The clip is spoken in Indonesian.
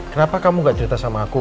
kenapa kamu gak cerita sama aku